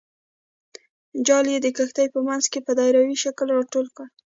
جال یې د کښتۍ په منځ کې په دایروي شکل راټول کړ.